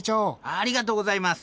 ありがとうございます。